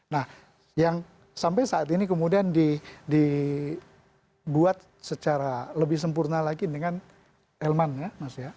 nah yang sampai saat ini kemudian dibuat secara lebih sempurna lagi dengan elman ya mas ya